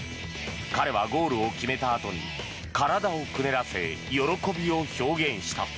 彼はゴールを決めたあとに体をくねらせ喜びを表現した。